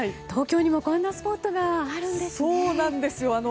東京にもこんなスポットがあるんですね。